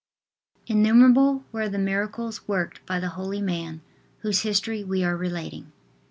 INNUMERABLE were the miracles worked by the holy man whose history we are relating.